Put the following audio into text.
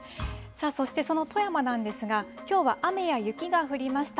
そして、その富山なんですが、きょうは雨や雪が降りました。